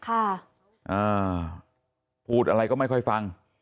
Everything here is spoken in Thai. อ่าพูดอะไรก็ไม่ค่อยฟัง